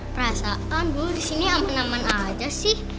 perasaan bu disini aman aman aja sih